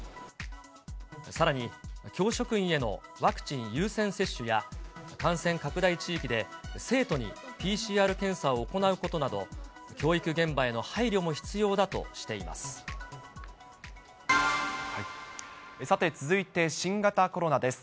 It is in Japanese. さらに、教職員へのワクチン優先接種や、感染拡大地域で生徒にＰＣＲ検査を行うことなど、教育現場への配さて、続いて新型コロナです。